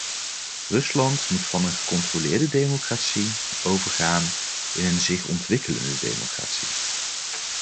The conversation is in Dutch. Rusland moet van een gecontroleerde democratie overgaan in een zich ontwikkelende democratie.